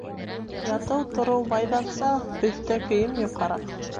Ятыу-тороу байҙарса, өҫтә кейем йоҡараҡ.